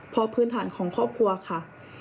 เพราะพื้นฐานของครอบครัวค่ะ